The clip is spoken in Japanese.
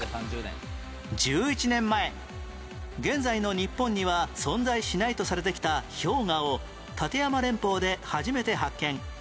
１１年前現在の日本には存在しないとされてきた氷河を立山連峰で初めて発見